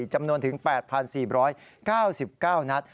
จำนวนถึง๘๔๙๙นัด